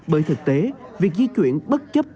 bởi thực tế việc di chuyển bất chấp